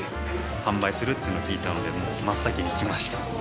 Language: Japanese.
販売するというのを聞いたので、真っ先に来ました。